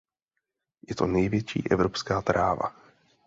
Je to největší evropská tráva.